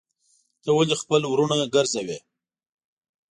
ته ولي خپل وروڼه ګرځوې.